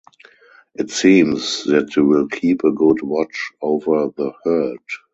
It seems that you will keep a good watch over the herd.